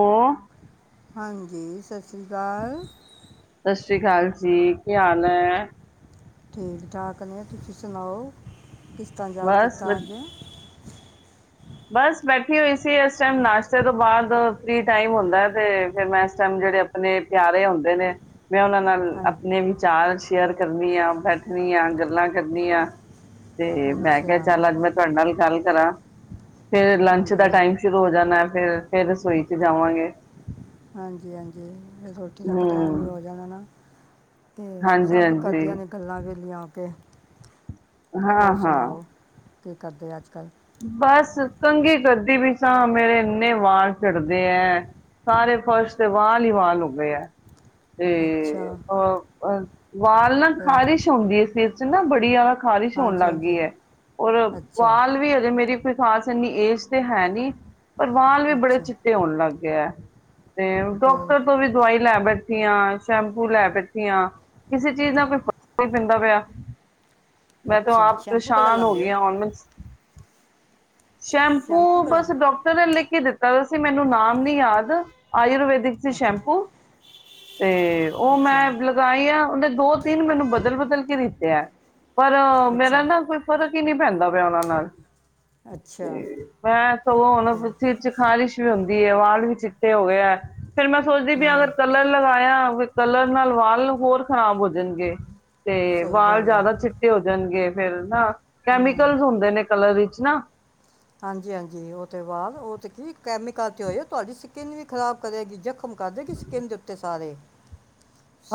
ਹ ਹਾਂਜੀ ਸਸ ਸੀ ਕਾਲ। ਸ਼੍ਰੀ ਕਾਲ ਜੀ, ਕੀ ਹਾਲ ਐ। ਠੀਕ ਠਾਕ ਨੇ, ਤੁਸੀਂ ਸੁਣਾਓ। ਕਿਸ ਤਾਂ ਯਾਦ ਬਸ ਕੀਤਾ ਵਧ- ਅੱਜ। ਬਸ ਬੈਠੀ ਹੋਈ ਸੀ, ਇਸ ਟਾਈਮ ਨਾਸ਼ਤੇ ਤੋਂ ਬਾਅਦ ਫਰੀ ਟਾਈਮ ਹੁੰਦਾ ਐ। ਤੇ ਫਿਰ ਮੈਂ ਇਸ ਟਾਈਮ ਜਿਹੜੇ, ਆਪਣੇ ਪਿਆਰੇ ਹੁੰਦੇ ਨੇ ਮੈਂ ਉਹਨਾਂ ਨਾਲ ਹਾਂਜੀ ਆਪਣੇ ਵਿਚਾਰ ਸ਼ ਸ਼ੇਅਰ ਕਰਨੀ ਆ, ਬੈਠਣੀ ਆ, ਗੱਲਾਂ ਕਰਨੀ ਆ। ਤੇ ਮੈਂ ਅੱਛਾ ਕਿਹਾ ਚੱਲ ਅੱਜ ਮੈਂ ਤੁਆਡੇ ਨਾਲ ਗੱਲ ਕਰਾਂ। ਫੇਰ ਲੰਚ ਹਾਂਜੀ ਦਾ ਹਾਂਜੀ ਟਾਈਮ ਸ਼ੁਰੂ ਹੋ ਜਾਣਾ ਐ, ਫੇਰ ਫੇਰ ਰਸੋਈ ਚ ਜਾਵਾਂਗੇ। ਹਾਂਜੀ ਹਾਂਜੀ। ਫੇ ਰੋਟੀ ਤੱਕ ਟਾਈਮ ਵੀ ਹਮ ਹੋ ਜਾਣਾ ਨਾ। ਤੇ ਹਾਂਜੀ ਸਭ ਹਾਂਜੀ ਕਰਦੀਆਂ ਨੇ ਗੱਲਾਂ ਵੇਲੀਆਂ ਹੋ ਕੇ। ਹਾਂ ਹੋਰ ਹਾਂ। ਸੁਣਾਓ ਕੀ ਕਰਦੇ ਅੱਜ ਕੱਲ? ਬਸ ਕੰਘੀ ਕਰਦੀ ਪਈ ਸਾਂ। ਮੇਰੇ ਇੰਨੇ ਵਾਲ ਝੜਦੇ ਐ। ਸਾਰੇ ਫ਼ਰਸ਼ ਤੇ ਵਾਲ ਈ ਵਾਲ ਹੋ ਗਏ ਐ। ਤੇ ਅੱਛਾ ਅ-ਅ ਵਾਲ ਨਾ ਫਿਰ ਖ਼ਾਰਿਸ਼ ਹੁੰਦੀ ਸੀ। ਜਿੰਨਾ ਬੜੀ ਆਕ ਖ਼ਾਰਿਸ਼ ਹੋਣ ਹਾਂਜੀ ਲੱਗ ਹਾਂਜੀ ਗੀ ਐ। ਔਰ ਅੱਛਾ ਵਾਲ ਵੀ ਅ ਮੇਰੀ ਕੋਈ ਖ਼ਾਸ ਇੰਨੀ ਏਜ ਤੇ ਹੈ ਨੀ। ਪਰ ਵਾਲ ਵੀ ਬੜੇ ਅੱਛਾ ਚਿੱਟੇ ਹੋਣ ਲੱਗ ਗਿਆ। ਤੇ ਫਿਰ ਡੋਕਟਰ ਤੋਂ ਵੀ ਦਵਾਈ ਲੈ ਬੈਠ ਠੀਆਂ, ਸ਼ੈਂਪੂ ਲੈ ਬੈਠੀ ਆਂ। ਕਿਸੇ ਚੀਜ਼ ਨਾ ਕੋਈ ਫਰਕ ਨੀ ਪੈਂਦਾ ਪਿਆ। ਮੈਂ ਤੋ ਅੱਛਾ ਆਪ ਸ਼ੈਂਪੂ ਕਲਾ ਪਰੇਸ਼ਾਨ ਹੋ ਲਾਉਂਦੇ ਗਈ ਆ। ਆਲਮੰਸ ਸ਼ੈਂਪੂ ਬਸ ਡੋਕਟਰ ਨੇ ਲ਼ਿਖ ਕੇ ਦਿੱਤ ਦਰਾ ਸੀ ਮੈਨੂੰ ਨਾਮ ਨੀ ਯਾਦ, ਆਯੁਰਵੇਦ ਸੀ ਅੱਛਾ ਸ਼ੈਂਪੂ ਤੇ ਉਹ ਅੱਛਾ ਮੈਂ ਲਗਾਈਂ ਆਂ ਉਨੇ ਦੋ ਤਿੰਨ ਮੈਨੂੰ ਬਦਲ ਬਦਲ ਕੇ ਦਿੱਤੇ ਐ। ਪਰ ਉਹ ਮੇਰਾ ਅੱਛਾ ਨਾ ਕੋਈ ਫਰਕ ਹੀ ਨਹੀਂ। ਪੈਂਦਾ ਪਿਆ ਉਹਨਾਂ ਨਾਲ। ਅੱਛਾ ਤੇ ਮੈਂ ਤੇ ਉਹਨਾਂ ਫਿਰ ਦੇ ਸਿਰ ਚ ਖ਼ਾਰਿਸ਼ ਵੀ ਹੁੰਦੀ। ਦੀ ਆ ਵਾਲ ਵੀ ਚਿੱਟੇ ਹੋ ਗਏ ਏ। ਫੇਿਰ ਮੈਂ ਸੋਚਦੀ ਬੀ ਹੂੰ ਅਗਰ ਕਲਰ ਲਗਾਇਆ। ਕੋਈ ਕਲਰ ਨਾਲ ਵਾਲ ਹੋਰ ਖ਼ਰਾਬ ਹੋ ਜਾਣਗੇ। ਤੇ ਸਹੀ ਵਾਲ ਗੱਲ ਹੈ ਜਿਆਦਾ ਚਿੱਟੇ ਹੋ। ਗਨਗੇ ਫਿਰ ਨਾ। ਹੂੰ ਕੈਮੀਕਲਸ ਹੁੰਦੇ ਨੇ ਕਲਰ ਵਿਚ। ਨਾ। ਹਾਂਜੀ- ਹਾਂਜੀ ਉਹ ਤੋਂ ਵਾਲ ੳਹ ਤੇ ਕੀ ਕੈਮੀ ਕਰਕੇ ਹੋਏ ਤੁਹਾਡੀ ਸਕਿੰਨ ਵੀ ਖਰਾਬ ਕਰੇਗੀ ਜ, ਖਮ ਕਰਦੇ ਗੀ ਸਕਿੰਨ ਦੇ ਉੱਤੇ ਸਾਰੇ।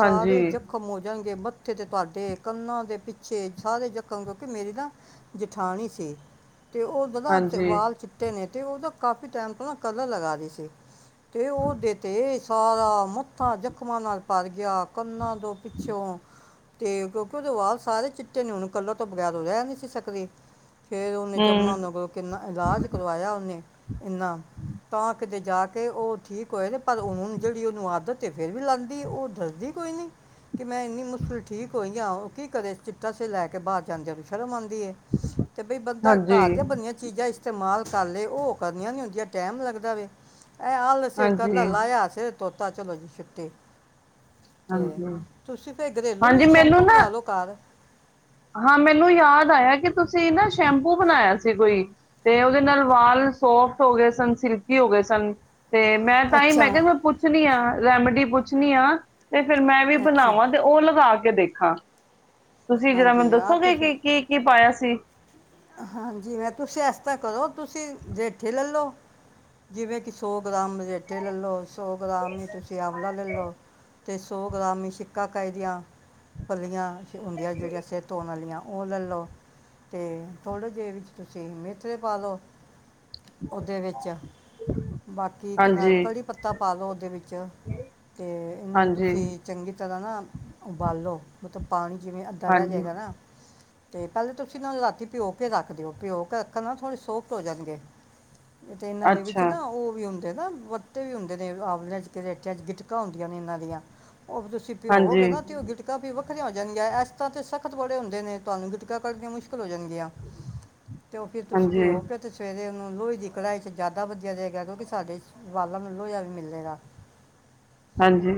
ਸਾਰੇ ਜਖ਼ਮ ਹੋ ਜਾਣਗੇ ਮ, ਉੱਥੇ ਤੇ ਤੁਹਾਡੇ ਕੰਨਾ ਦੇ ਪਿੱਛੇ ਸਾਰੇ ਜਖਮ ਕਿਉਂਕਿ ਮੇਰੀ ਨਾ ਜਠਾਣੀ ਸੀ ਤੇ ਉਹ ਹਾਂਜੀ ਵਾਲ ਚਿੱਟੇ ਨੇ ਤੇ ਉਹਦਾ ਕਾਫੀ ਟਾਈਮ ਤੋ ਨਾ ਕਲਰ ਲਗਾ ਰੀ ਸੀ ਅਤੇ ਉਹ ਦਿੱਤੇ [inaudible] ਸਰਮ [inaudible] ਮੱਥਾ ਜ਼ਖ਼ਮਾਂ ਨਾਲ ਭਰ ਗਿਆ ਕੰਨਾਂ ਤੋਂ ਪਿੱਛੋਂ ਤੇ ਕਿਉਂਕਿ ਉਹਦੇ ਵਾਲ ਸਾਰੇ ਚਿੱਟੇ ਨੇ ਤੇ ਕੱਲਰ ਤੋਂ ਬਗੈਰ ਉਹ ਰਹਿ ਨਹੀਂ ਸੀ ਸਕਦੀ ਫੇਰ ਉਹ ਨਿੱ ਹੂੰ, ਚਾ ਬਣਾਉਦਾ ਕੋਲ [inaudible] ਕਿੰਨਾ ਇਲਾਜ ਕਰਵਾਇਆ ਉ ਹ [inaudible] ਇਨਾਂ ਤਾਂ ਕਿਤੇ ਜਾ ਕੇ ਉਹ ਠੀਕ ਹੋਏ ਨੇ ਪਰ ਹੁਣ ਜਿਹੜੀ ਉਹਨੂੰ ਆਦਤ ਤੇ ਫੇਰ ਵੀ ਲਾਂਦੀ ਉਹ ਦੱਸਦੀ ਕੋਈ ਨੀ ਕਿ ਮੈਂ ਇੰਨੀ ਮੁਸ਼ਕਿਲ ਠੀਕ ਹੋਈ ਹਾਂ ਉਹ ਕੀ ਕਰੇ ਚਿੱਟਾ ਸਿਰ ਲੈ ਕੇ ਬਾਹਰ ਜਾਂਦਿਆਂ ਨੂੰ ਸ਼ਰਮ ਆਉਂਦੀ ਤੇ ਤੇ ਬਈ ਬੰਦਾ ਘਰ ਹਾਂਜੀ-ਹਾਂਜੀ-ਹਾਂਜੀ, ਦੀਆਂ ਬਣੀਆਂ ਇਸਤੇਮਾਲ ਕਰ ਲੇ ਉਹ ਕਰਨੀਆਂ ਨਹੀਂ ਹੁ ਦਿਆਂ ਟਾਈਮ ਲੱਗਦਾ ਵੇ ਐ ਆਲ ਸ ਹਾਂਜੀ ਕਲਾ ਲਾਇਆ ਸ ਤੋ [inaudible] ਤਾ ਚਲੋ ਜੀ ਛਿੱਤੇ ਤੇ ਹਾਂਜੀ ਤੁਸੀਂ ਫੇਿਰ ਘਰੇਲੂ ਹਾਂਜੀ ਮੈਨੂੰ ਸ਼ੈਂਪੂ ਨਾ ਬਣਾ ਲੋ ਘਰ ਹਾਂ ਮੈਨੂੰ ਯਾਦ ਆਇਆ ਕਿ ਤੁਸੀਂ ਨਾ ਸ਼ੈਂਪੂ ਬਣਾਇਆ ਸੀ, ਕੋਈ ਤੇ ਉਹਦੇ ਨਾਲ ਵਾਲ ਸੋਫਟ ਹੋ ਗਏ ਸਨ, ਸਿਲਕੀ ਹੋ ਗਏ ਸਨ। ਤੇ ਮੈਂ ਤਾਂਹੀ ਅੱਛਾ ਮੈਂ ਕਿਹਾ ਮੈਂ ਪੁੱਛਣੀ ਆ ਰੈਮਡੀ ਪੁੱਛ ਚੁਨੀਆਂ, ਤੇ ਫੇਿਰ ਮੈਂ ਵੀ ਅੱਛਾ ਬਣਾਵਾਂ ਤੇ ਉਹ ਲਗਾ ਕੇ ਕੇ ਦੇਖਾ, ਤੁਸੀ ਜਰਾ ਮੈਨੂੰ ਹਾਂਜੀ ਆ ਦੱਸੋਗੇ, ਤੁਸੀਂ ਕਿ ਕੀ-ਕੀ ਪਾਇਆ ਸੀ। ਤੇੇ, ਹਾਂਜੀ ਮੈਂ ਤੁਸੀਂ ਇਸ ਤਰ੍ਹਾਂ ਕਰੋ, ਤੁਸੀਂ ਰੇਠੇ ਲੈ ਲਓ ਜਿਵੇਂ ਕਿ ਸੌ ਗ੍ਰਾਮ ਰੇਠੇ ਲੈ ਲਓ, ਸੌ ਗ੍ਰਾਮ ਹੀ ਤੁਸੀਂ ਆਂਵਲਾ ਲੈਲੋ ਲਓ, ਅਤੇ ਸੌ ਗ੍ਰਾਮ ਹੀ ਸਿੱਕਾ ਕਏ ਦੀਆਂ ਫਲੀਆਂ ਹੁੰਦੀਆਂ ਜਿਹੜੀਆਂ ਸਿਰ ਧੋਣ ਵਾਲੀਆਂ ਉਹ ਲੈ ਲਓ, ਤੇ ਥੋੜ੍ਹੇ ਜਿਹੇ ਵਿੱਚ ਤੁਸੀਂ ਮੇਥਰੇ ਪਾ ਲਓ। ਉਹਦੇ ਵਿੱਚ ਬਾਕੀ ਕਿਹਦਾ ਕੜੀ ਪੱਤਾ ਪਾਦੋ ਔਦੇ ਵਿੱਚ, ਤੇ ਇਹਨੂੰ ਤੁਸੀਂ ਹਾਂਜੀ-ਹਾਂਜੀ-ਹਾਂਜੀ, ਚੰਗੀ ਜਦੋ ਨਾ ਉਬਾਲੋ ਮਤਲਬ ਪਾਣੀ ਜਿਵੇਂ, ਅੱਧਾ ਰਹਿ ਜਾਏਗਾ ਨਾ ਤੇ ਪਹਿਲੇ ਤੁਸੀਂ ਨਾਲ ਲਾਤੀ ਪਿਓ। ਰੱਖ ਦਿਓ, ਪਿਓ ਕੇ ਰੱਖਣ ਨਾ ਥੋੜੀ ਸੋਫਟ ਹੋ ਜਾਦੀ ਐ। ਤੇ ਇਹਨਾਂ ਦੇ ਵਿੱਚ ਅੱਛਾ ਨਾ ਉਹ ਵੀ ਹੁੰ ਨਾ ਵੱਟੇ ਵੀ ਹੁੰਦੇ ਨੇ, ਆਵਲਿਆਂ ਚ ਕਿ ਰੇਟਿਆਂ ਚ ਗਿਟਕਾਂ ਹੁੰਦੀਆਂ ਨੇ ਇਹਨਾਂ ਦੀਆਂ ਉਹ ਤੁਸੀਂ ਪਿਓ ਔਬੋਗੇ ਨਾ ਤੇ ਗਿਟਕਾ ਪੀਓ ਵਰੀਆਂ ਹੋ ਜਾਂਣਗੀਆਂ, ਇਸ ਤਰ੍ਹਾਂ ਤੇ ਸਖ਼ਤ ਬੜੇ ਹੁੰਦੇ ਨੇ ਤੁਹਾਨੂੰ ਗਿਟਕਾ ਕੱਢੀਆਂ ਮੁਸ਼ਕਿਲ ਹੋ ਜਾਣਗੀਆਂ। ਤੇ, ਉਹ ਫਿਰ ਤੁਸੀ ਭੀਓ ਕੇ ਹਾਂਜੀ-ਹਾਂਜੀ-ਹਾਂਜੀ-ਹਾਂਜੀ, ਤੇ ਸਵੇਰੇ ਉਹਨੂੰ ਲੋਏ ਦੀ ਕੜਾਈ ਚ ਜ਼ਿਆਦਾ ਵਧੀਆ ਰਹੇਗਾ, ਕਿਉਂਕਿ ਸਾਡੇ ਵਾਲਾਂ ਨੂੰ ਲੋਏ ਵੀ ਮਿਲਲੇਗਾ।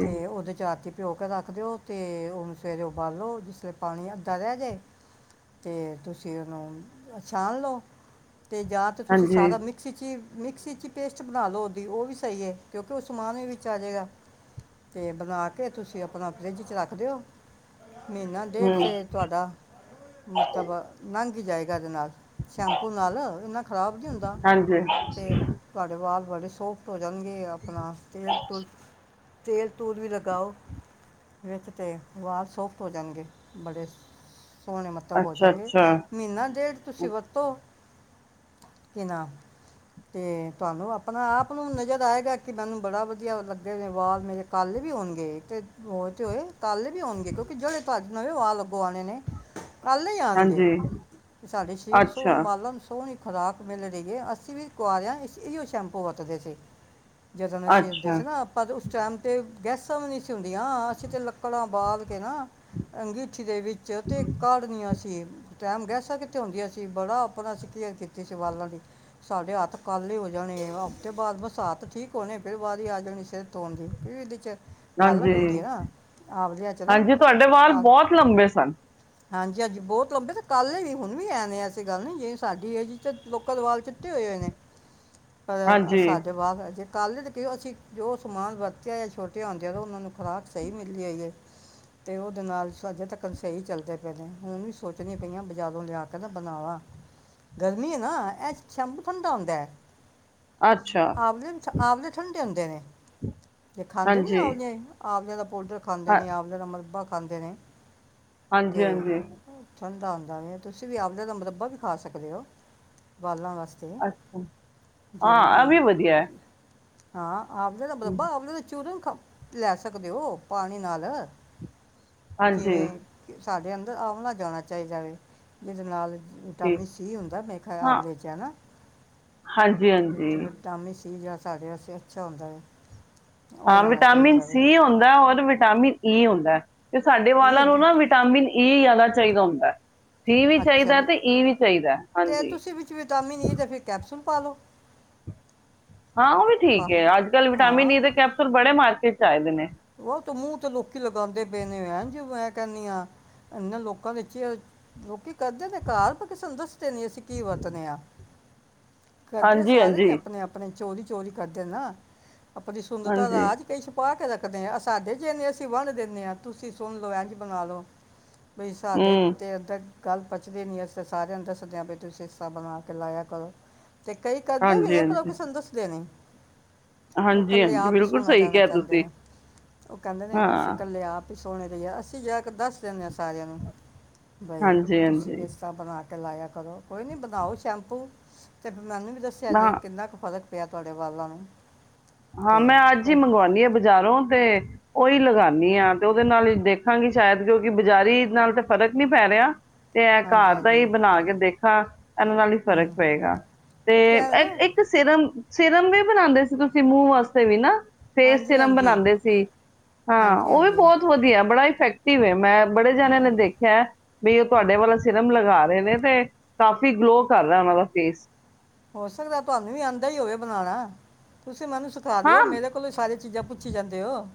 ਤੇ ਉਹਦੇ ਚ ਰਾਤੀ ਪਿਉ ਕੇ ਰੱਖ ਦਿਓ, ਤੇ ਉਹਨੂੰ ਸਵੇਰੇ ਉਬਾਲੋ ਜਿਸ ਵੇਲੇ ਪਾਣੀ ਅੱਧਾ ਰਹਿ ਜੇ ਅਤੇ ਤੁਸੀਂ ਉਹਨੂੰ ਛਾਣ ਲਓ। ਤੇ ਜਾਂ ਤਾਂ ਤੁਸੀਂ ਸਾਰਾ ਮਿਕਸੀ 'ਚ ਹੀ ਮਿਕਸੀ 'ਚ ਪੇਸਟ ਬਣਾ ਲਓ, ਉਹਦੀ ਉਹ ਵੀ ਸਹੀ ਹੈ ਕਿਉਂਕਿ ਉਹ ਸਮਾਨ ਵੀ ਵਿੱਚ ਆਜੇਗਾ ਅਤੇ ਬਣਾ ਕੇ ਤੁਸੀਂ ਆਪਣਾ ਫਰਿੱਜ 'ਚ ਰੱਖ ਦਿਓ। ਮਹੀਨਾ ਡੇਢ ਹੂੰ, ਤੇ ਤੁਹਾਡਾ ਮਤਲਬ ਲੰ ਜਾਏਗਾ। [unintelligible] ਦੇ ਨਾਲ ਸ਼ੈਂਪੂ ਨਾਲ, ਇਨਾ ਖ਼ਰਾਬ ਨੀ ਹੁੰਦਾ ਹਾਂਜੀ, ਤੇ ਤੁਹਾਡੇ ਵਾਲ ਬੜੇ ਸੋਫ ਰੰਗੇ ਆਪਣਾ ਸਟੇਲ ਟੁਲ [unintelligible] ਤੇਲ ਤੂਲ ਵੀ ਲਗਾਓ, ਵਿੱਚ ਤੇ ਸੋਫਟ ਹੋ ਜਾਣਗੇ ਬੜੇ ਸੋਹਣੇ ਮਤਲਬ ਹੋ ਜਾਣਗੇ ਅੱਛਾ-ਅੱਛਾ। ਮਹੀਨਾ ਤੇਲ ਤੁਸੀਂ ਵਰਤੋ। ਕਿ ਨਾ, ਤੇ ਤੁਹਾਨੂੰ ਆਪਣਾ- ਆਪ ਨੂੰ ਨਜ਼ਰ ਆਏਗਾ ਕਿ ਮੈਨੂੰ ਬੜਾ ਵਧੀਆ ਲੱਗੇ ਨੇ ਵਾਲ ਮੇਰੇ ਕਾਲੇ ਵੀ ਹੋਣਗੇ ਤੇ ਹੋ ਤੇ ਹੋਏ ਕਾਲੇ ਵੀ ਹੋਣਗੇ ਕਿਉਂਕਿ ਜਿਹੜੇ ਤੁ ਨਵੇਂ ਵਾਲ ਅੱਗੋਂ ਆਉਣੇ ਨੇ। ਕਾਲੇ ਹੀ ਆਣਗੇ। ਹਾਂਜੀ, ਸਾਡੇ ਛੇਨ ਸੌ ਅੱਛਾ, ਮ [unintelligible] ਖੁਰਾਕ ਮਿਲ ਰਹੀਏ, ਅਸੀਂ ਵੀ ਕੁਰਿਆਓ ਏਓ ਸ਼ੈਂਪੂ ਵਰਤਦੇ ਸੀ। ਜਦੋਂ ਅਸੀ ਉੁੰਦੇ ਅੱਛਾ, ਸੀ ਨਾ ਆਪਾਂ ਟਾਈਮ ਤੇ ਗੈਸਾਂ ਵੀ ਨਹੀਂ ਸੀ ਹੁੰਦੀਆਂ, ਅਸੀਂ ਤਾਂ ਲੱਕੜਾਂ ਬਾਲ ਕੇ ਨਾ, ਅੰਗੀਠੀ ਦੇ ਵਿੱਚ ਤੇ ਕੜਦੀਆਂ ਸੀ ਟਾਈਮ ਗੈਸ ਤਾਂ ਕਿੱਥੇ ਹੁੰਦੀਆਂ ਸੀ ਬੜਾ ਆਪਣਾ ਸੀਂ ਕੇਅਰ ਕੀਤੀ ਸੀ ਵਾਲਾਂ ਦੀ ਸਾਡੇ ਹੱਥ ਕੱਲ ਹੀ ਹੋ ਜਾਣੇ ਹਫ਼ਤੇ ਬਾਅਦ ਬਸਾਤ ਠੀਕ ਹੋਣੀ, ਫਿਰ ਬਾਹਦ ਹੀ ਆ ਜਾਣੀ ਸਿਰ ਧੋਣ ਦੀ ਫ ਇਹਦੇ ਚ ਕਾਲਕ ਹੁੰਦੀ ਹੈ ਨਾ ਹਾਂਜੀ- ਆਵਲਿਆਂ ਚ ਨਾ ਹਾਂਜੀ, ਤੁਹਾਡੇ ਵਾਲ ਕਾਲ ਬਹੁਤ ਲੰਬੇ ਸਨ। ਹਾਂਜੀ- ਹਾਂਜੀ ਬਹੁਤ ਲੰਬੇ ਤਾਂ ਕਾਲੇ ਵੀ ਹੁਣ ਵੀ ਐ ਨੇ ਐਸੀ, ਗੱਲ ਨੀ ਜੇ ਸਾਡੀ ਏਜ ਜੀ ਲੋਕਾ ਵਾਲ ਚਿੱਟੇ ਹੋਏ ਹੋਏ ਨੇ ਪਰ ਹਾਂਜੀ, ਸਾਡੇ ਵਾਲ ਅਜੇ ਕਾਲੇ ਦੇ ਕਿ ਅਸੀਂ ਜੋ ਸਮਾਨ ਵਰਤਿਆ ਜਾਂ ਛੋਟੇ ਹੁੰਦੇ ਆ ਤਾਂ ਉਹਨਾਂ ਨੂੰ ਖੁਰਾਕ ਸਹੀ ਮਿਲਦੀ ਹੈਈ ਹੈ, ਤੇ ਉਹਦੇ ਨਾਲ ਅਜੇ ਤੱਕ ਸਹੀ ਚੱਲਦੇ ਪਏਦੇ, ਹੁਣ ਵੀ ਸੋਚਣੀਆਂ ਪਈਆਂ ਜਦੋਂ ਲਿਆ ਕੇ ਨਾ ਬਣਾਵਾਂ, ਗਰਮੀ ਹੈ ਨਾ ਇਹ ਸ਼ੈਂਪੂ ਠੰਡਾ ਹੁੰਦਾ। ਅੱਛਾ, ਆਵਲੇ ਆਵਲੇ ਠੰਡੇ [unintelligible] ਜੇ ਖਾਂਦੇ ਨੀ ਹਾਂਜੀ। ਆਪਦੇ, ਆਪ ਜਿਆਂ ਦਾ ਪੋਡਰ ਖਾਂਦੇ ਹਾਂ, ਨੇ, ਆਮਲੇ ਦਾ ਮਰਬਾ ਪਾਂਦੇ ਨੇ। ਹਾਂਜੀ- ਹਾਂਜੀ। ਪੰੰਦਾਮ ਤੁਸੀਂ ਵੀ ਆਵਲੇ ਦਾ ਮਰਬਾ ਵੀ ਖਾ ਸਕਦੇ ਹੋ, ਬਾਲਾਂ ਵਾਸਤੇ ਅੱਛਾ। ਹਾਂ ਜਿਵੇਂ ਆ ਕਿ ਵੀ ਵਧੀਆ ਹੈ। ਹਾਂ। ਆਵਲੇ ਦਾ ਮਰਬਾ, ਆਵਲੇ ਦਾ ਚੂਰਨ। ਲੈ ਸਕਦੇ ਹੋ, ਪਾਣੀ ਨਾਲ ਹਾਂਜੀ, ਜਿਵੇਂ ਸਾਡੇ ਅੰਦਰ ਆਵਲਾ ਜਾਣਾ ਚਾਹੀਦਾਵੇ ਜਿਦੇ ਨਾਲ ਠੀਕ, ਵਿਟਾਮਿਨ ਸੀ ਹੁੰਦਾ ਮੇਖਾ ਹਾਂ, ਆਮਲੇ 'ਚ ਹੈ ਨਾ ਹਾਂਜੀ-ਹਾਂਜੀ। ਵਿਟਾਮਿਨ ਸੀ ਜਸ ਸਾਡੇ ਵਾਸਤੇ ਅੱਛਾ ਹੁੰਦਾ ਹੈ ਉਹ ਹਾਂ ਲੈਣਾ ਵਿਟਾਮਿਨ ਚਾਹੀਦਾ ਹੈ ਸੀ ਹੁੰਦਾ ਔਰ ਵਿਟਾਮਿਨ ਈ ਹੁੰਦਾ। ਤੇ ਸਾਡੇ ਇਹ ਵਾਲਾਂ ਨੂੰ ਹੁੰਦਾ ਹੈ। ਨਾ ਵਿਟਾਮਿਨ ਕੀ, ਜਾਦਾ ਚਾਈਦਾ ਹੁੰਦਾ? ਸੀ ਵੀ ਚਾਹੀਦਾ ਤੇ ਈ ਵੀ ਚਾਹੀਦਾ, ਹਾਂਜੀ। ਖਾਲੋ ਹਾਂ ਉਹ ਵੀ ਠੀਕ ਹੈ ਅੱਜ-ਕੱਲ ਵਿਟਾਮਿਨ ਈ ਦੇ ਕੈਪਸੂਲ ਬੜੇ ਮਾਰਕੀਟ ਚਾਹੀਦੇ ਨੇ ਉਹ ਤੇ ਮੂੰਹ ਤੇ ਲੋਕੀ ਲਗਾਉਂਦੇ ਪਏ ਨੇ ਐਂਜ ਵੈ ਕਹਿੰਦੀ ਆ, ਇਹਨਾਂ ਲੋਕਾਂ ਵਿਚ ਲੋਕੀ ਕਰਦੇ ਤੇ ਘਾਰ ਪਰ ਕਿਸ ਨੂੰ ਦੱਸਦੇ ਨੀ ਅਸੀਂ ਕੀ ਵਰਤਦੇ ਹਾਂ ਕਰਦੇ ਸਾਰੇ ਨੇ ਹਾਂਜੀ-ਹਾਂਜੀ। ਆਪਣੇ ਆਪਣੇ ਚੋਰੀ ਚੋਰੀ ਕਰਦੇ ਨਾ ਆਪਣੀ ਸੁੰਦਰਤਾ ਦਾ ਹਾਂਜੀ, ਰਾਜ ਕਈ ਛੁਪਾ ਕੇ ਰੱਖ ਦੇ ਹੈ ਸਾਡੇ ਜੇ ਨਹੀ, ਅਸੀਂ ਵੰਡ ਦਿੰਦੇ ਹਾਂ ਤੁਸੀਂ ਸੁਣ ਲੋ ਇੰਝ ਬਣਾਲਓ ਬਈ ਸਾਡੇ ਹੂੰ, [unintelligible] ਗੱਲ ਪਚਦੀ ਨੀ ਅਸੀਂ ਸਾਰਿਆਂ ਨੂੰ ਦੱਸਦੇਆ ਵੀ ਤੁਸੀਂ ਇਸ ਤਰਾਂ ਬਣਾ ਕੇ ਲਾਇਆ ਕਰੋ। ਤੇ ਕਈ ਕਰਦੇ ਵੀ ਨੇ ਪਰ ਉਹ ਕਿਸ ਨੂੰ ਦੱਸਦੇ ਨੀ ਹਾਂਜੀ ਹਾਂਜੀ ਬਿਲਕੁਲ ਸਹੀ ਰਹਿਣਾ ਕਿਹਾ ਚਾਹੁੰਦੇ ਤੁਸੀਂ। ਨੇ ਉਹ ਕਹਿੰਦੇ ਨੇ ਅਸੀਂ ਹਾਂ, ਇਕੱਲੇ ਆਪ ਸੁਣ ਮੇਰੇ ਯਾਰ, ਅਸੀਂ ਜਾਕੇ ਦੱਸ ਦੇਨੇਆ। ਸਾਰਿਆਂ ਨੂੰ, ਬਈ ਤੁਸੀਂ ਵੀ ਹਾਂਜੀ-ਹਾਂਜੀ, ਇਸ ਤਰ੍ਹਾਂ ਬਣਾ ਕੇ ਲਾਇਆ ਕਰੋ, ਕੋਈ ਨੀ ਬਣਾਓ ਸ਼ੈਂਪੂ ਤੇ ਮੈਨੂੰ ਵੀ ਦੱਸਿਆ ਨਾ ਜੇ, ਕਿੰਨਾ ਕੁ ਫ਼ਰਕ ਪਿਆ ਤੁਹਾਡੇ ਵਾਲਾਂ ਨੂੰ ਹਾਂ, ਤੇ ਮੈਂ ਅੱਜ ਹੀ ਫਿਰ ਮੰਗਵਾਉਦੀ ਆ ਬਜ਼ਾਰੋਂ ਤੇ ਉਹੀ ਲਗਾਨੀ ਹਾਂ ਤੇ ਉਹਦੇ ਨਾਲ ਦੇਖਾਂਗੀ ਸ਼ਾਇਦ ਕਿਉਂਕਿ ਬਾਜ਼ਾਰੀ ਨਾਲ ਤੇ ਫ਼ਰਕ ਨਹੀਂ ਪੈ ਰਿਹਾ। ਤੇ ਇਹ ਹਾਂਜੀ ਘਾਰ ਦਾ ਹਾਂਜੀ ਹੀ ਬਣਾ ਕੇ ਦੇਖਾ ਇਹਨਾਂ ਨਾਲ ਹੀ ਫ਼ਰਕ ਹੂੰ ਪਏਗਾ, ਇੱਕ ਤੇ ਹੈ ਨਾ ਇੱਕ ਸਿਰਮ ਸਿਰਮ ਵੀ ਬਣਾਉਂਦੇ ਸੀ ਤੂੰ ਕਿ ਮੂੰਹ ਵਾਸਤੇ ਵੀ ਨਾ। ਫੇਸ ਹਾਂਜੀ ਸਿਰਮ ਹਾਂਜੀ ਬਣਾਉਂਦੇ ਸੀ, ਹਾਂ ਹਾਂਜੀ ਉਹ ਵੀ ਹਾਂਜੀ ਬਹੁਤ ਵਧੀਆ ਬੜਾ ਇਫੈਕਟਿਵ ਹੈ, ਮੈਂ ਬੜੇ ਜਾਣਿਆਂ ਹਾਂ ਨੇ ਦੇਖਿਆ। ਬਈ ਉਹ ਤੁਹਾਡੇ ਵਾਲਾ ਸਿਰਮ ਲਗਾ ਰਹੇ ਨੇ, ਤੇ ਕਾਫੀ ਗਲੋ ਕਰ ਰਿਹਾ ਉਹਨਾਂ ਦਾ ਫੇਸ। ਹੋ ਸਕਦਾ ਤੁਹਾਨੂੰ ਵੀ ਆਉਂਦਾ ਹੀ ਹੋਵੇ, ਬਣਾਉਣਾ ਤੁਂ ਤੁਸੀਂ ਮੈਨੂੰ ਸਿਖਾ ਹਾਂ ਦਿਓ, ਮੇਰੇ ਕੋਲੋਂ ਸਾਰੀਆਂ ਚੀਜ਼ਾਂ ਪੁੱਛੀ ਜਾਂਦੇ ਹੋ।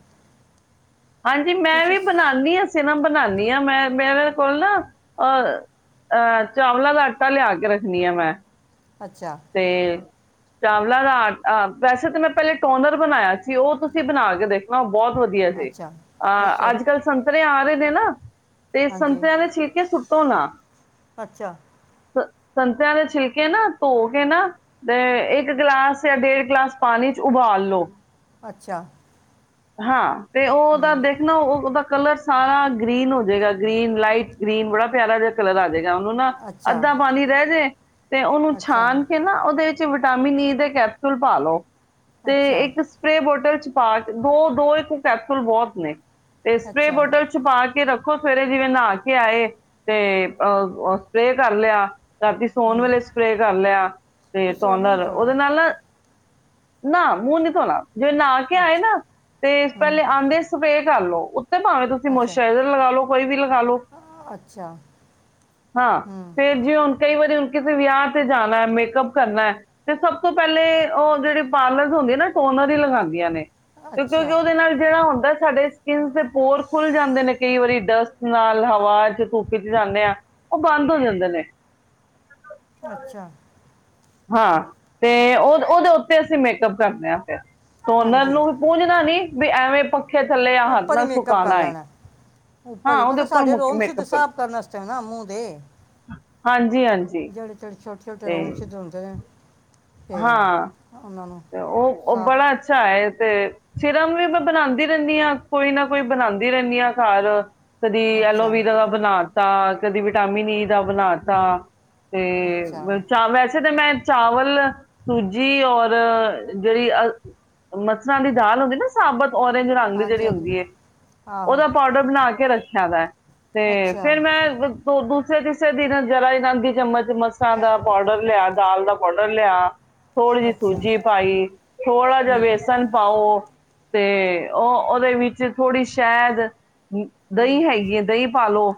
ਹਾਂਜੀ ਮੈਂ ਤੁਸੀਂ ਵੀ ਸ- ਬਣਾਉਂਦੀ ਹਾਂ ਸ ਨਾ ਬਣਾਉਦੀ ਮੈਂ ਮੇਰੇ ਕੋਲ ਨਾ ਅਹ ਅਹ ਚਾਵਲਾਂ ਦਾ ਆਟਾ ਲਿਆ ਕੇ ਰੱਖਣੀ ਆ ਮੈਂ ਅੱਛਾ ਤੇ ਚਾਵਲਾਂ ਦਾ ਆ ਆ ਵੈਸੇ ਤਾਂ ਮੈਂ ਪਹਿਲੇ ਟੋਨਰ ਬਣਾਇਆ ਸੀ ਉਹ ਤੁਸੀਂ ਬਣਾ ਕੇ ਦੇਖਣਾ ਬਹੁਤ ਵਧੀਆ ਸੀ ਅੱਛਾ ਅਹ ਦੱਸੋ ਅੱਜ ਕੱਲ੍ਹ ਸੰਤਰੇ ਆ ਰਹੇ ਨੇ ਨਾ ਤੇ ਹਾਂਜੀ ਸੰਤਿਆਂ ਦੇ ਛਿੜਕੇ ਸੁੱਟੋ ਨਾ ਅੱਛਾ ਸੰਤਿਆਂ ਦੇ ਛਿਲਕੇ ਨਾ ਧੋ ਕੇ ਨਾ ਤੇ ਇੱਕ ਗਿਲਾਸ ਜਾਂ ਡੇਢ ਗਲਾਸ ਪਾਣੀ ਚ ਉਬਾਲ ਲੋ ਅੱਛਾ ਹਾਂ ਤੇ ਉਹ ਉਹਦਾ ਹੂੰ ਦੇਖਣਾ ਉਹਦਾ ਕਲਰ ਸਾਰਾ ਗ੍ਰੀਨ ਹੋ ਜਾਏਗਾ ਗ੍ਰੀਨ ਲਾਈਟ ਗ੍ਰੀਨ ਬੜਾ ਪਿਆਰਾ ਜ ਕਲਰ ਆ ਜਾਏਗਾ ਉਹਨ ਨਾ ਅੱਛਾ ਅੱਧਾ ਪਾਣੀ ਰਹਿ ਜੇ ਤੇ ਉਹਨੂੰ ਅੱਛਾ ਛਾਣ ਕੇ ਨਾ ਉਹਦੇ ਵਿੱਚ ਵਿਟਾਮਿਨ ਈ ਦੇ ਕੈਪਸੂਲ ਪਾ ਲਓ ਤੇ ਅੱਛਾ ਇੱਕ ਸਪਰੇ ਬੋਟਲ ਚ ਪਾ ਦੋ ਦੋ ਇੱਕ ਕੈਥਲ ਬਹੁਤ ਨੇ ਤੇ ਸਪਰੇਅ ਅੱਛਾ ਬੋਤਲ ਚ ਪਾ ਕੇ ਰੱਖੋ ਦੇਖੋ ਸਵੇਰੇ ਜਿਵੇਂ ਨਹਾ ਕੇ ਆਏ ਤੇ ਅਹ ਸਪਰੇਅ ਕਰ ਲਿਆ ਰਾਤੀਂ ਸੋੱਣ ਹੂੰ ਵੇਲੇ ਸਪਰੇਅ ਕਰ ਲਿਆ ਤੇ ਧੋਣ ਨਾਲ ਉਹਦੇ ਨਾਲ ਨਾ ਨਾ ਮੂੰਹ ਨਹੀਂ ਧੋਣਾ ਜੇ ਨਹਾ ਕੇ ਆਏ ਨਾ ਤੇ ਪਹਿਲੇ ਆਉਂਦੇ ਸਵੇਰ ਕਰ ਲਓ ਫੇਰ ਭਾਵੇਂ ਤੁਸੀਂ ਮੋਸਚਰਾਈਜ਼ਰ ਲਗਾ ਲਓ ਕੋਈ ਵੀ ਲਗਾ ਲਓ ਹਾਂ ਫੇਰ ਜੇ ਹੁਣ ਕਈ ਵਾਰੀ ਹੁਣ ਕਿਸੇ ਵਿਆਹ ਤੇ ਜਾਣਾ ਮੇਕਅਪ ਕਰਨਾ ਤੇ ਸਭ ਤੋਂ ਪਹਿਲੇ ਉਹ ਜਿਹੜੀ ਪਾਰਲਰਜ ਹੁੰਦੀਆਂ ਨਾ ਟੋਨਰ ਹੀ ਲਗਾਉਂਦੀਆਂ ਨੇ ਤੇ ਕਿਉਂਕਿ ਜੋ ਉਹਦੇ ਨਾਲ ਜਿਹੜਾ ਹੁੰਦਾ ਸਾਡੇ ਸਕਿਨ ਦੇ ਪੋਰ ਖੁੱਲ ਜਾਂਦੇ ਨੇ ਕਈ ਵਾਰੀ ਡਸਟ ਨਾਲ ਹਵਾ ਚ ਧੂਪ ਚ ਜਾਂਦੇ ਆ ਉਹ ਬੰਦ ਹੋ ਜਾਂਦੇ ਨੇ ਅੱਛਾ ਹਾਂ ਤੇ ਉਹ ਉਹਦੇ ਉੱਤੇ ਅਸੀਂ ਮੇਕਅਪ ਕਰਦੇ ਹਾਂ ਫਿਰ ਟੋਨਰ ਨੂੰ ਪੂੰਜਣਾ ਨੀ ਵੀ ਐਵੇਂ ਪ ਉੱਪਰ ਹੀ ਮੇਕਅਪ ਕਰ ਲੈਣੈ ਉੱਪਰ ਹਾਂ ਹੀ ਉਹਦੇ ਮਤਲਬ ਸਾਡੇ ਰੋਮ ਛਿਦ੍ ਮੇਕਅਪ ਸਾਫ਼ ਕਰਨ ਵਾਸਤੇ ਏ ਨਾ ਮੂੰਹ ਦੇ ਹਾਂਜੀ ਹਾਂਜੀ ਜਿਹੜੇ ਜਿਹੜੇ ਛੋਟੇ ਛੋਟੇ ਤੇ ਰੋਮ ਛਿਦ੍ ਹੁੰਦੇ ਨੇ ਫੇਰ ਉਹਨਾਂ ਨੂੰ ਤੇ ਉਹ ਉਹ ਸਾਫ਼ ਬੜਾ ਅੱਛਾ ਹੈ ਤੇ ਸਿਰਮ ਵੀ ਮੈਂ ਬਣਾਂਦੀ ਰਹਿੰਦੀ ਹਾਂ ਕੋਈ ਨਾ ਕੋਈ ਬਣਾਂਦੀ ਰਹਿੰਦੀ ਹਾਂ ਘਰ ਕਦੀ ਅੱਛਾ ਐਲੋਵੀਰਾ ਦਾ ਬਣਾ ਤਾਂ ਕਦੀ ਵਿਟਾਮਿਨ ਈ ਦਾ ਬਣਾ ਤਾ ਅੱਛਾ ਤੇ ਚਾ ਵੈਸੇ ਤੇ ਮੈਂ ਚਾਵਲ, ਸੂਜੀ ਔਰ ਜਿਹੜੀ ਅ ਮਸਰਾਂ ਦੀ ਦਾਲ ਹੁੰਦੀ ਨਾ ਸਾਬਤ ਓਰੇਂਜ ਰੰਗ ਦੀ ਹਾਂਜੀ ਜਿਹੜੀ ਹਾਂਜੀ ਹੁੰਦੀ ਏ ਆਹੋ ਉਹਦਾ ਪਾਊਡਰ ਬਣਾ ਕੇ ਰੱਖ [unintelligible] ਤੇ ਅੱਛਾ ਫਿਰ ਮੈਂ ਦੂਸਰੇ ਤੀਸਰੇ ਦਿਨ ਜਰਾ ਇਹਨਾਂ ਦੀ ਅੱਧੀ ਚਮਚ ਮਸਾਂ ਦਾ ਪਾਊਡਰ ਲਿਆ ਦਾਲ ਦਾ ਪਾਊਡਰ ਲਿਆ [unintelligible] ਅੱਛਾ ਸੂਜੀ ਪਾਈ ਥੋੜਾ ਜਿਹਾ ਹੂੰ ਵੇਸਣ ਪਾਓ ਤੇ ਉਹ ਉਹਦੇ ਵਿੱਚ ਥੋੜ੍ਹੀ ਸ਼ਹਿਦ ਹੂੰ ਦਹੀਂ ਹੈਗੀ ਏ ਦਹੀਂ ਪਾਲੋ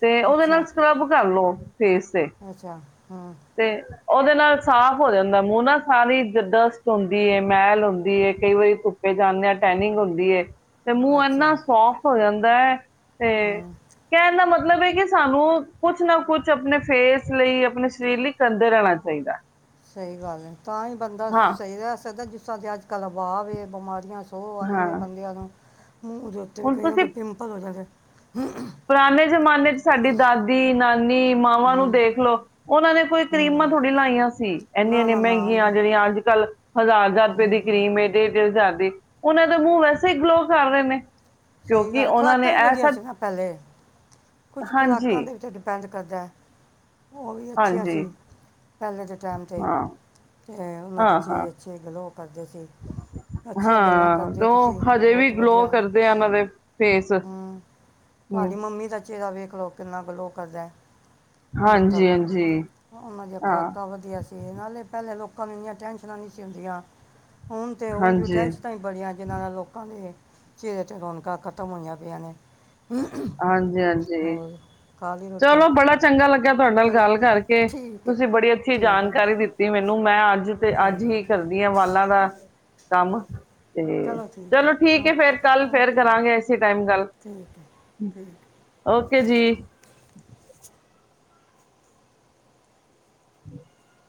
ਤੇ ਉਹਦੇ ਨਾਲ ਅੱਛਾ ਸਕਰੱਬ ਕਰ ਲੋ ਫੇਸ ਤੇ ਅੱਛਾ ਹੂੰ ਤੇ ਉਹਦੇ ਨਾਲ ਸਾਫ਼ ਹੋ ਜਾਂਦਾ ਮੂੰਹ ਨਾ ਸਾਰੀ ਡਸਟ ਹੁੰਦੀ ਏ ਮੈਲ ਹੁੰਦੀ ਏ ਕਈ ਵਾਰੀ ਧੁੱਪੇ ਜਾਂਦੇ ਆ ਟੈਨਿੰਗ ਹੁੰਦੀ ਏ ਤੇ ਮੂੰਹ ਅੱਛਾ ਇੰਨਾ ਸੋਫਟ ਹੋ ਜਾਂਦਾ ਦੈ ਤੇ ਹੂੰ ਕਹਿਣ ਦਾ ਮਤਲਬ ਏ ਕਿ ਸਾਨੂੰ ਕੁਛ ਨਾ ਕੁਛ ਆਪਣੇ ਫੇਸ ਲਈ ਆਪਣੇ ਸਰੀਰ ਲਈ ਕਰਦੇ ਰਹਿਣਾ ਚਾਹੀਦੈ ਸਹੀ ਗੱਲ ਏ ਤਾਂ ਹੀ ਬੰਦਾ ਸਹੀ ਰਹਿ ਸਕਦਾ ਜਿਸਾਂ ਦੇ ਅੱਜ ਕੱਲ ਵਾਹ ਵੇ ਬਿਮਾਰੀਆਂ ਸੋ ਹਾਂ [unintelligible] ਬੰਦਿਆਂ ਨੂੰ ਮੂੰਹ ਦੇ ਉੱਤੇ ਵੀ ਹੁਣ ਕਈਆਂ ਤੁਸੀਂ ਦੇ ਪਿੰਪਲ ਹੋ ਜਾਂਦੇ ਹਮਮ। ਪੁਰਾਣੇ ਜਮਾਨੇ 'ਚ ਸਾਡੀ ਦਾਦੀ ਨਾਲ ਨੀ ਮਾਵਾਂ ਨੂੰ ਹੂੰ ਦੇਖਲਓ, ਉਹਨਾਂ ਨੇ ਕੋਈ ਕਰੀਮਾਂ ਹੂੰ ਥੋੜ੍ਹੀ ਲਾਈਆਂ ਸੀ, ਐਨੀ ਨਾ ਐਨੀ ਨਾ ਨਾ ਮਹਿੰਗੀਆਂ ਉਹਨੇ- ਜਿਹੜੀਆਂ ਅੱਜ ਕੱਲ੍ਹ ਹਜ਼ਾਰ ਹਜ਼ਾਰ ਰੁਪਏ ਦੀ ਹੂੰ ਕਰੀਮ ਏ, ਡੇਢ ਡੇਢ ਹਜ਼ਾਰ ਵੇ। ਉਹਨਾਂ ਦੇ ਮੂੰਹ ਵੈਸੇ ਈ ਗਲੋ ਕਰ ਰਹੇ ਨੇ ਸਈ ਕਿਉਂਕਿ ਗੱਲ, ਉਹਨਾਂ ਨੇ ਖੁਰਾਕਾਂ ਵੀ ਇਹ ਵਧੀਆ ਸਭ ਸੀ ਨਾ ਪਹਿਲੇ। ਕੁਛ ਹਾਂਜੀ ਖੁਰਾਕਾਂ ਦੇ ਵਿੱਚ ਡਿਪੈਂਡ ਕਰਦੈ, ਉਹ ਵੀ ਅੱਛੀਆਂ ਹਾਂਜੀ ਸੀ ਪਹਿਲੇ ਦੇ ਟਾਈਮ 'ਤੇ ਹਾਂ ਤੇ ਉਹਨਾਂ ਦੇ ਹਾਂ ਹਾਂ ਚੇ ਅੱਛੇ ਗਲੋ ਕਰਦੇ ਸੀ। ਅੱਛੀਆਂ ਗੱਲਾਂ ਹਾਂ ਕਰਦੇ ਤੇ ਓ ਤੁਸੀਂ, ਉਹ ਹਜੇ ਵੀ ਬਹੁਤ ਗਲੋ ਵਧੀਆ। ਕਰਦੇ ਆ ਉਹਨਾਂ ਦੇ ਫੇਸ ਹਮਮ। ਤੁਹਾਡੀ ਹਮ, ਮੰਮੀ ਦਾ ਦਾ ਵੇਖ ਲਓ ਕਿੰਨਾ ਗਲੋ ਕਰਦੈ। ਮਤਬ, ਹਾਂਜੀ ਹਾਂਜੀ ਉਹਨਾਂ ਦੀਆਂ ਹਾਂ ਖੁਰਾਕਾਂ ਵਧੀਆ ਸੀ, ਨਾਲੇ ਪਹਿਲੇ ਲੋਕ ਕਾਂ ਨੂੰ ਇਨੀਆਂ ਟੈਂਨਸ਼ਨਾਂ ਨਹੀਂ ਸੀ ਹੁੰਦੀਆਂ ਹੁਣ ਤੇ ਉਂਜ, ਹਾਂਜੀ ਟੈਂਨਸਨਾਂ ਹੀ ਬੜੀਆਂ, ਜਿਹਨ੍ਹਾਂ ਨਾਲ ਲੋਕਾਂ ਦੇ ਚਿਹਰੇ 'ਚ ਰੌਣਕਾਂ ਖਤਮ ਹੋਈਆਂ ਪਈਆਂ ਨੇ। ਹਾਂਜੀ, ਹਾਂ ਹੋਰ? ਖਾ ਲਈ ਰੋਟੀ ਚਲੋ ਬੜਾ ਚੰਗਾ ਲੱਗਿਆ ਤੁਹਾਡੇ ਨਾਲ ਚਲੋ ਗੱਲ ਕਰਕੇ, ਠੀਕ ਹੈ ਤੁਸੀਂ ਬੜੀ ਅੱਛੀ ਠੀਕ ਹੈ ਜਾਣਕਾਰੀ ਦਿੱਤੀ ਮੈ ਨੂੰ ਮੈਂ ਅੱ ਜ ਤੇ ਅੱਜ ਹੀ ਚਲੋ- ਕਰਦੀ ਆਂ ਵਾਲਾਂ ਦਾ ਕੰਮ ਤੇ ਚਲੋ ਹੈ ਠੀਕ ਏ ਓਕੇ ਫੇਰ ਕੱਲ ਫੇਰ ਓਕੇ ਕਰਾਂਗੇ ਇਸੇ ਟਾਈਮ ਗੱਲ। ਠੀਕ ਹੈ ਠੀਕ ਓਕੇ ਜੀ। [unintelligible] [unintelligible]